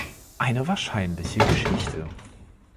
Eine wahrscheinliche Geschichte!